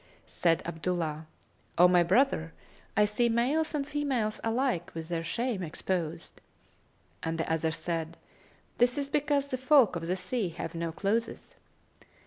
Said Abdullah "O my brother, I see males and females alike with their shame exposed,[FN#268]" and the other said, "This is because the folk of the sea have no clothes."